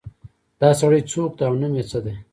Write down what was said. دا سړی څوک ده او نوم یې څه ده